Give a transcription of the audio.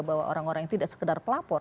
bahwa orang orang yang tidak sekedar pelapor